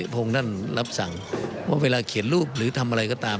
พวกเจ้ารับศังเวลาเขียนรูปหรือทำอะไรก็ตาม